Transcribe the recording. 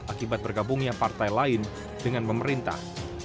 akibat bergabungnya partai lain dengan pemerintah